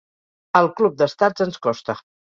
El club d’estats ens costa.